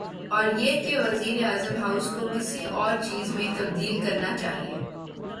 اوریہ کہ وزیراعظم ہاؤس کو کسی اورچیز میں تبدیل کرنا چاہیے۔